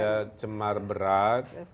ya cemar berat